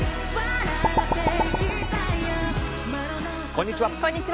こんにちは。